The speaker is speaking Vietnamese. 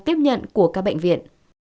tiếp nhận của các bệnh viện